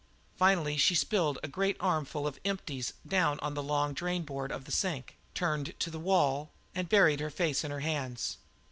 Finally she spilled a great armful of "empties" down on the long drain board of the sink, turned to the wall, and buried her face in her hands.